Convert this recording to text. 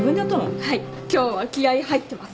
はい今日は気合入ってますから。